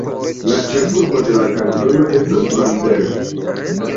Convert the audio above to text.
La ĉefurbo de la kantono estas Bamberg.